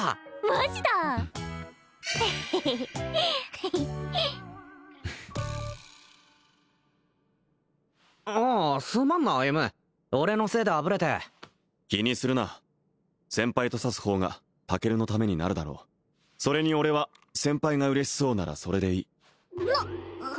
マジだエヘヘおうすまんな歩俺のせいであぶれて気にするな先輩と指す方がタケルのためになるだろうそれに俺は先輩が嬉しそうならそれでいいなっ！